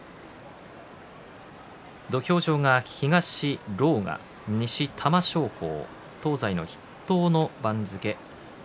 土俵上が東、狼雅西、玉正鳳東西の筆頭の番付。